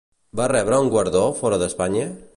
Va rebre un guardó fora d'Espanya?